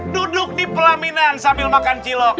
duduk di pelaminan sambil makan cilok